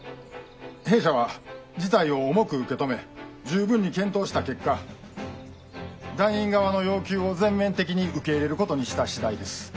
「弊社は事態を重く受け止め十分に検討した結果団員側の要求を全面的に受け入れることにした次第です」。